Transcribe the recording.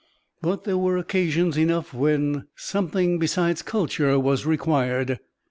But there were occasions enough where something besides culture was required.